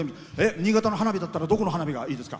新潟県の花火だったらどこで一番いいですか？